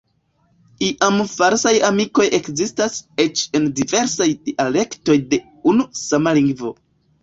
Iam falsaj amikoj ekzistas eĉ en diversaj dialektoj de unu sama lingvo.